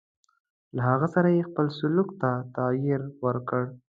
له هغه سره یې خپل سلوک ته تغیر ورکړ.